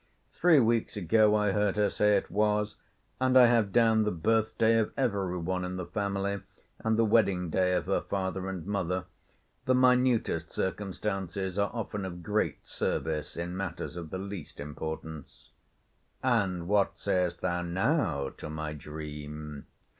Three weeks ago I heard her say it was: and I have down the birthday of every one in the family, and the wedding day of her father and mother. The minutest circumstances are often of great service in matters of the last importance. And what sayest thou now to my dream?